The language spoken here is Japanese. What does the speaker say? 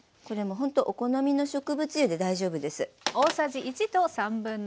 これもほんとお好みの植物油で大丈夫です。